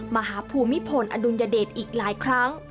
ภูมิพลอดุลยเดชอีกหลายครั้ง